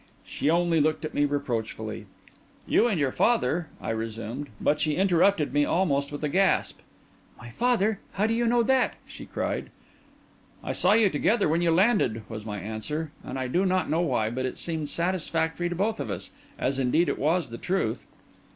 She only looked at me reproachfully. "You and your father—" I resumed; but she interrupted me almost with a gasp. "My father! How do you know that?" she cried. "I saw you together when you landed," was my answer; and I do not know why, but it seemed satisfactory to both of us, as indeed it was the truth.